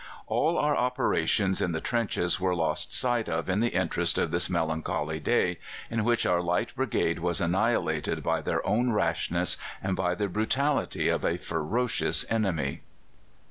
All our operations in the trenches were lost sight of in the interest of this melancholy day, in which our Light Brigade was annihilated by their own rashness and by the brutality of a ferocious enemy.